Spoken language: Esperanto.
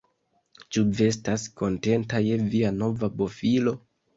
Ĉu vi estas kontenta je via nova bofilo?